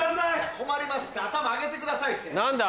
・・困りますって頭上げてくださいって・何だ？